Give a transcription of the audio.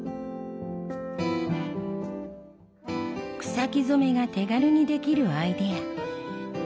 草木染めが手軽にできるアイデア。